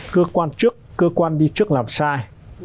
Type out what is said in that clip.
cơ quan trước cơ quan đi trước làm sai